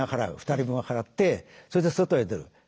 ２人分払ってそれで外へ出る。